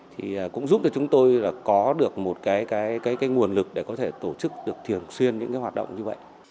thì cũng giúp cho chúng tôi có được một cái nguồn lực để có thể tổ chức được thường xuyên những cái hoạt động như vậy